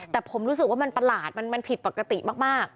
แต่ผมรู้สึกว่ามันประหลาดมันผิดปกติมาก